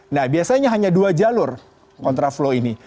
nah biasanya hanya dua jalur kontraflow ini